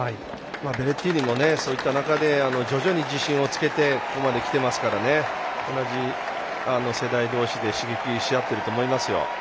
ベレッティーニもそういった中で徐々に自信をつけてここまで来ていますから同じ世代同士で刺激し合っていると思います。